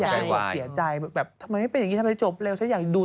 จะถูกเสียใจแบบทำไมไม่เป็นอย่างนี้ทำไมไม่จะจบเร็วอยากดูต่อ